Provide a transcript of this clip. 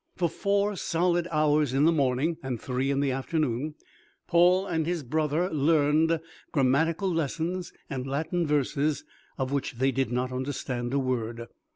For four solid hours in the morning, and three in the afternoon, Paul and his brother learned grammatical lessons and Latin verses of which they did not understand a word.